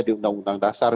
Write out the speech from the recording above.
di undang undang dasar